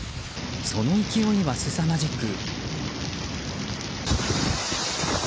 その勢いはすさまじく。